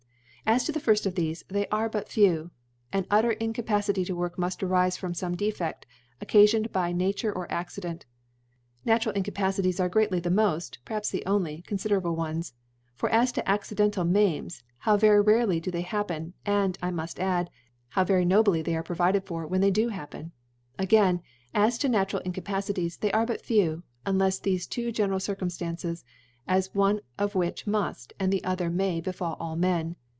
As to the Firft of thcfe, they are but few. An utter Incapacity to work muftarifefrom fome Defcdl, occafioned either by Nature or Accident. Natural Incapacities are greatly the moft (perhaps the only) confiderable ones *, for as to accidental Maims, how very rarely do they happen, and, I mufl: ^dd, how very nobly arc they provided for, when they do happen I Again, as to natural In cajKicities, they are but few, unlefs thofe two general Circumftances, one of which muil, and the other may befal all Men •, I mean.